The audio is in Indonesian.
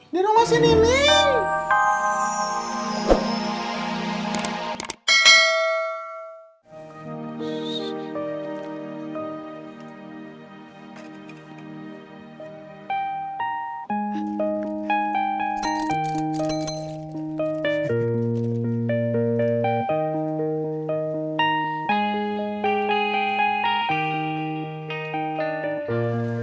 dia udah gak sini min